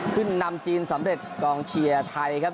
ขึ้นนำจีนสำเร็จกองเชียร์ไทยครับ